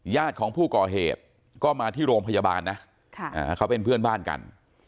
ของผู้ก่อเหตุก็มาที่โรงพยาบาลนะเขาเป็นเพื่อนบ้านกัน